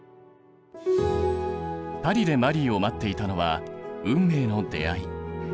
パリでマリーを待っていたのは運命の出会い。